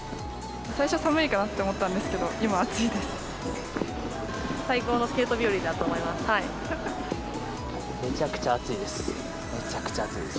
最初寒いかなと思ったんですけど、今は暑いです。